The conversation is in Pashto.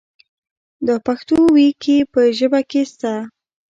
دا پښتو وييکي په ژبه کې سته.